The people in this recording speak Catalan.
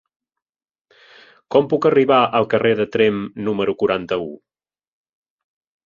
Com puc arribar al carrer de Tremp número quaranta-u?